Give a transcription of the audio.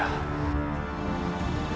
jangan meremehkan rasa sakit dinda